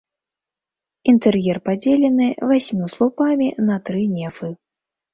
Інтэр'ер падзелены васьмю слупамі на тры нефы.